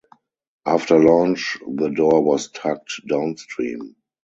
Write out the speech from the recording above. After launch the door was tugged downstream.